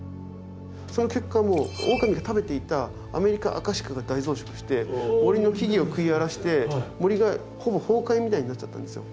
その結果オオカミが食べていたアメリカアカシカが大増殖して森の木々を食い荒らして森がほぼ崩壊みたいになっちゃったんですよ。